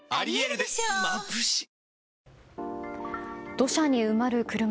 土砂に埋まる車。